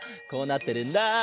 こうなってるんだ。